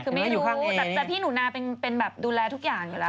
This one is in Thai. คือไม่รู้แต่พี่หนูนาเป็นแบบดูแลทุกอย่างอยู่แล้ว